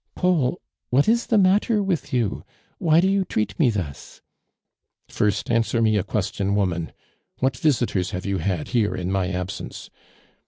" Paul, what is the matter with you ? Why do you treat me thus ?''" First answer me a question, woman ! What visitors have you had here in my ab sence